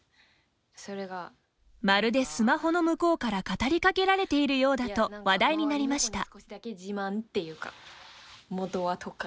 まるでスマホの向こうから語りかけられているようだと話題になりました。